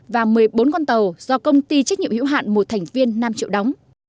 và một mươi bốn con tàu do công ty trách nhiệm hiệu hạn một thành viên năm triệu đóng